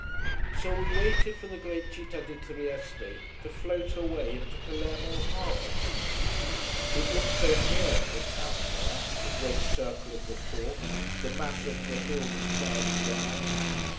So we waited for the great Città di Trieste to float her way into Palermo harbour. It looked so near the town there, the great circle of the port, the mass of the hills crowding round.